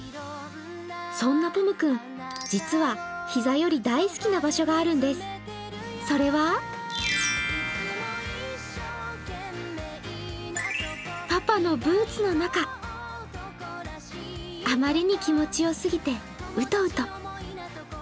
そんなぽむ君実は膝より大好きな場所があるんです、それはあまりに気持ち良すぎてうとうと。